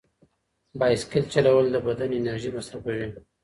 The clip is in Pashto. بایسکل چلول د بدن انرژي مصرفوي.